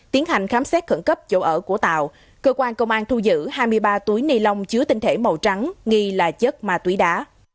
tiến hành khám xét khẩn cấp chỗ ở của tạo cơ quan công an thu giữ hai mươi ba túi ni lông chứa tinh thể màu trắng nghi là chất ma túy đá